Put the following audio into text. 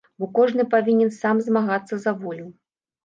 Бо кожны павінен сам змагацца за волю.